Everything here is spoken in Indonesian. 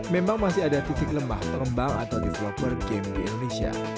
memang masih ada titik lemah pengembang atau developer game di indonesia